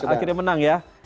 akhirnya menang ya